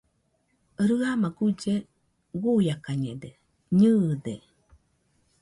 Rɨama guille guiakañede, nɨɨde.